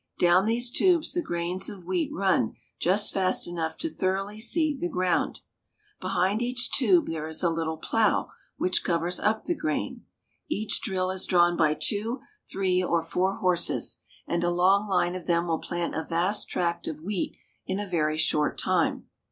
Down these tubes the grains of wheat run A Grain Drill. J^st fast cuough to thor oughly seed the ground. Behind each tube there is a little plow, which covers up the grain. Each drill is drawn by two, three, or four horses, and a long line of them will plant a vast tract of wheat in a very short time.